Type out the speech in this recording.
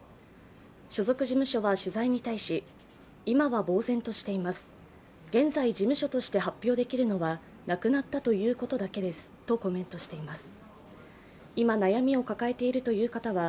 所属事務所は取材に対し今はぼう然としています、現在、事務所として発表できるのは亡くなったということだけですとコメントしています。